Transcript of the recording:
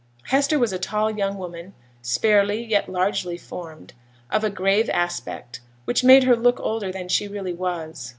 Hester was a tall young woman, sparely yet largely formed, of a grave aspect, which made her look older than she really was.